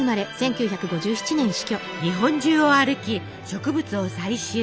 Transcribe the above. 日本中を歩き植物を採集。